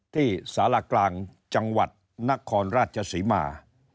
ที่สารกลางจังหวัดนครราชศรีมา